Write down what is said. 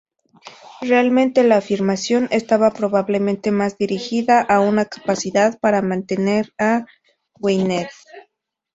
Realmente, la afirmación estaba probablemente más dirigida a una capacidad para mantener a Gwynedd.